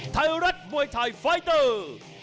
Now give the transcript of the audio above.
ไทยรัฐมวยไทยไฟเตอร์